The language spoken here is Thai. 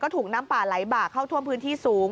ถูกน้ำป่าไหลบ่าเข้าท่วมพื้นที่สูง